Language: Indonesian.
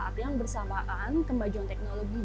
kita tidak bisa mengambil kepentingan